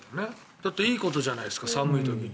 だって、いいことじゃないですか寒い時に。